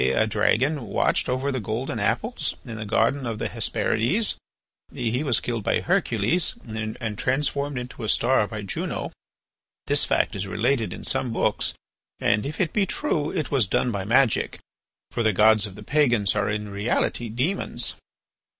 A dragon watched over the golden apples in the garden of the Hesperides. He was killed by Hercules and transformed into a star by Juno. This fact is related in some books, and if it be true, it was done by magic, for the gods of the pagans are in reality demons.